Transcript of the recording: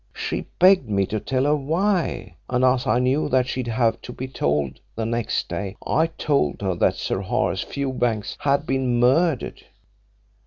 She begged me to tell her why, and as I knew that she'd have to be told the next day, I told her that Sir Horace Fewbanks had been murdered.